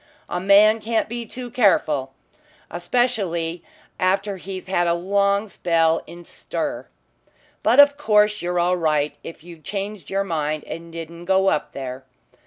A man can't be too careful especially after he's had a long spell in 'stir,' But of course you're all right if you changed your mind and didn't go up there.